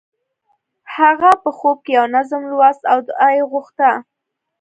هغه په خوب کې یو نظم لوست او دعا یې غوښته